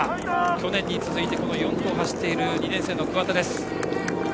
去年に続いて４区を走っている２年生の桑田。